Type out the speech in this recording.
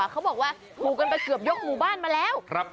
เขาบอกว่าถูกกันไปเกือบยกหมู่บ้านมาแล้ว